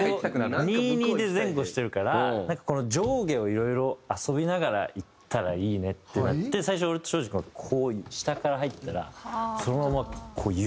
２２で前後してるからこの上下をいろいろ遊びながら行ったらいいねってなって最初俺とｓｈｏｊｉ君はこう下から入ったらそのままこう床に。